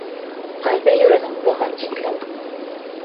Ҡайҙа йөрөнөң быға тиклем?